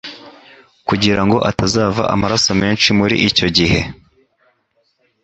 kugirango atazava amaraso menshi muri icyo gihe.